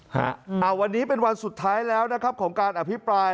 ฮะอ่าวันนี้เป็นวันสุดท้ายแล้วนะครับของการอภิปราย